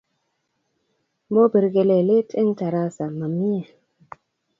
Mopir kelelet eng' tarasa ma mye.